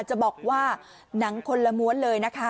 จะบอกว่าหนังคนละม้วนเลยนะคะ